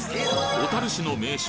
小樽市の名所